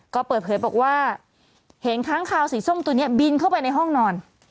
ก็เปิดเผยบอกว่าเห็นค้างคาวสีส้มตัวนี้บินเข้าไปในห้องนอน